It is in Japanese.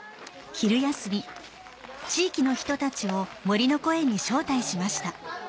昼休み地域の人たちをもりのこえんに招待しました。